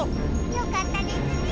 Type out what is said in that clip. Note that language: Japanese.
よかったですね。